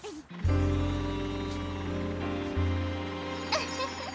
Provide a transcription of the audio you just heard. ウフフッ！